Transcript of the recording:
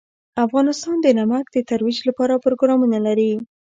افغانستان د نمک د ترویج لپاره پروګرامونه لري.